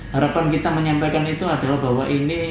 harapan kita menyampaikan itu adalah bahwa ini